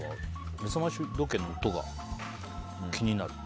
目覚まし時計の音が気になる？